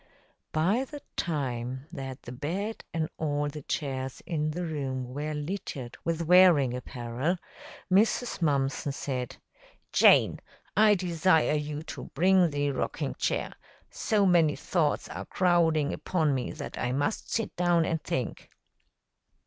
By the time that the bed and all the chairs in the room were littered with wearing apparel, Mrs. Mumpson said, "Jane, I desire you to bring the rocking chair. So many thoughts are crowding upon me that I must sit down and think."